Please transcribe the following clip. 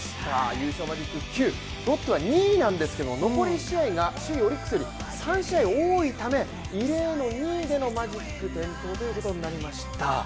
優勝マジック９、ロッテは２位なんですけど、残り試合が首位・オリックスより３試合多いため、異例の２位でのマジック点灯ということになりました。